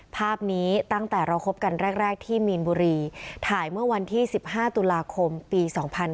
ภาพนี้ตั้งแต่เราคบกันแรกที่มีนบุรีถ่ายเมื่อวันที่๑๕ตุลาคมปี๒๕๕๙